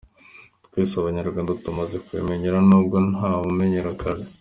Twese abanyarwanda tumaze kubimenyera, n’ubwo “nta wumenyera akabi”.